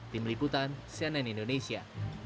tim liputan cnn indonesia